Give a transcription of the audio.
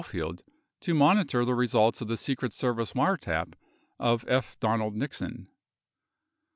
113 field to monitor the results of the Secret Service wiretap of F. Donald Nixon.